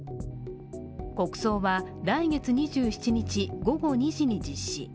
国葬は来月２７日午後２時に実施。